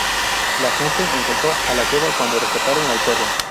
La gente encontró a la cueva cuando rescataron al perro.